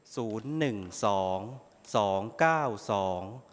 ศูนย์หนึ่งสองสองเก้าสอง